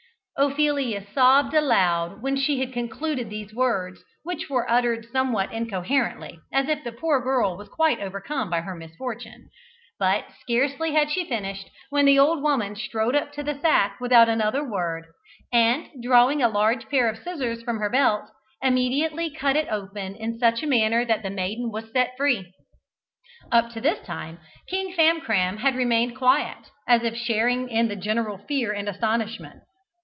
Ophelia sobbed aloud when she had concluded these words, which were uttered somewhat incoherently, as if the poor girl was quite overcome by her misfortune. But scarcely had she finished, when the old woman strode up to the sack without another word, and drawing a large pair of scissors from her belt, immediately cut it open in such a manner that the maiden was set free. Up to this time King Famcram had remained quiet, as if sharing in the general fear and astonishment.